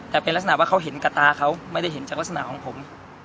แต่เป็นลักษณะว่าเขาเห็นกับตาเขาไม่ได้เห็นจากลักษณะของผม